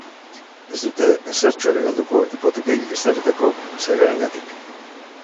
Ez dute ezertxo ere galduko hipotekei ezarritako zergarengatik.